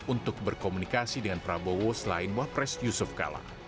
untuk berkomunikasi dengan prabowo selain wah pres yusuf kala